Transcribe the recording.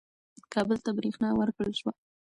کابل ته برېښنا ورکړل شوه.